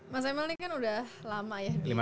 mas emil ini kan udah lama ya